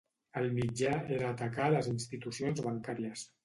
El mitjà era atacar les institucions bancàries.